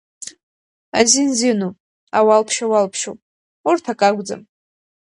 Азин зинуп, ауалԥшьа уалԥшьоуп урҭ акакәӡам.